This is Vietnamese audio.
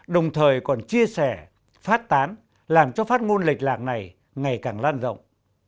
đồng thời còn chia sẻ phát tán làm cho phát ngôn lệch lạc này ngày càng lan rộng